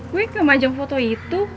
gue yang kemajam foto itu